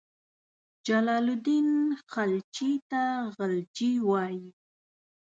جلال الدین خلجي ته غلجي وایي.